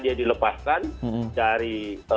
dia dilepaskan dari